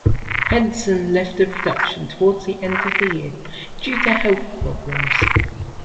Henson left the production towards the end of the year due to health problems.